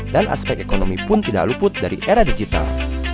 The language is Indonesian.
dan aspek ekonomi pun tidak luput dari era digital